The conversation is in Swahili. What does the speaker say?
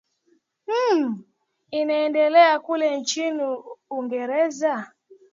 mmm inaendelea kule nchini uingereza